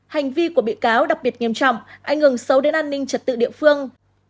hành vi của bị cáo đặc biệt nghiêm trọng anh ứng xấu đến an ninh trật tự địa phương